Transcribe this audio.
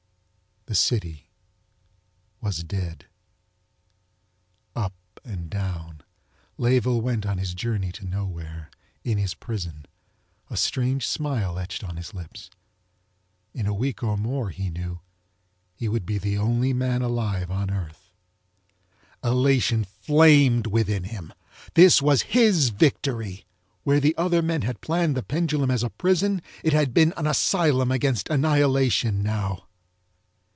The city was dead. Up and down, Layeville went on his journey to nowhere, in his prison, a strange smile etched on his lips. In a week or more, he knew, he would be the only man alive on earth. Elation flamed within him. This was his victory! Where the other men had planned the pendulum as a prison it had been an asylum against annihilation now!